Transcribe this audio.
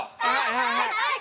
はいはいはい！